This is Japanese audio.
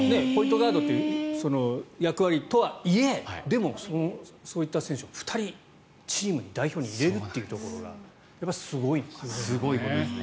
ガードという役割とはいえでもそういった選手を２人チームの代表に入れるところがすごいことですね。